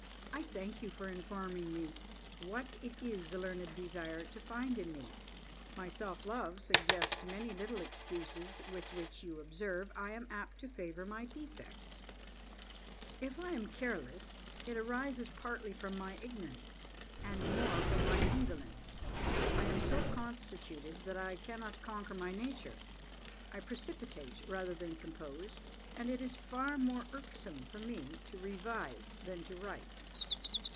I thank you for informing me what it is the learned desire to find in me; my self love suggests many little excuses, with which, you observe, I am apt to favour my defects. If I am careless, it arises partly from my ignorance, and more from my indolence; I am so constituted, that I cannot conquer my nature; I precipitate rather than compose, and it is far more irksome for me to revise than to write."